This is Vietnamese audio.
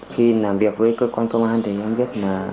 khi làm việc với cơ quan công an thì em biết là